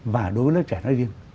và đối với lớp trẻ nói riêng